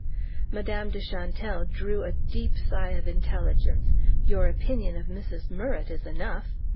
Madame de Chantelle drew a deep sigh of intelligence. "Your opinion of Mrs. Murrett is enough!